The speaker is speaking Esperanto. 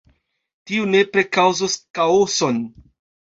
Tio nepre kaŭzos kaoson.